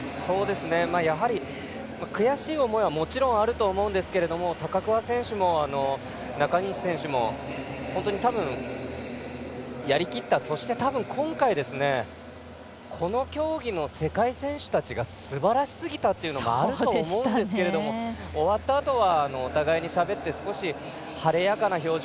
やはり、悔しい思いはもちろんあると思いますが高桑選手も中西選手も多分、やりきったそして多分、今回この競技の世界選手たちがすばらしすぎたのもあると思うんですが終わったあとはお互いにしゃべって少し、晴れやかな表情。